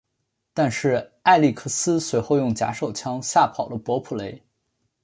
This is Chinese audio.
但是艾力克斯随后用假手枪吓跑了伯普雷。